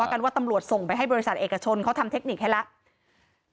กันว่าตำรวจส่งไปให้บริษัทเอกชนเขาทำเทคนิคให้แล้ว